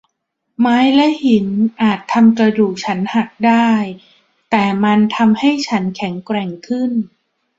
ไม้และหินอาจทำกระดูกฉันหักได้ แต่มันทำให้ฉันแข็งแกร่งขึ้น